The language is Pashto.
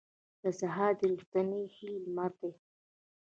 سهار د رښتینې هیلې لمر دی.